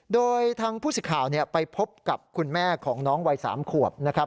โดยทางผู้สิทธิ์ข่าวไปพบกับคุณแม่ของน้องวัย๓ขวบนะครับ